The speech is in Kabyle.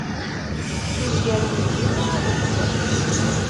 Yezger uydi-nni abrid.